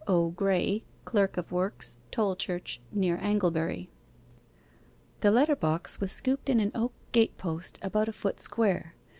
O. GRAYE, CLERK OF WORKS, TOLCHURCH, NEAR ANGLEBURY.' The letter box was scooped in an oak gate post about a foot square.